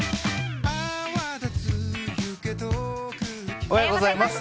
おはようございます。